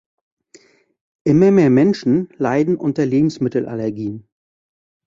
Immer mehr Menschen leiden unter Lebensmittelallergien.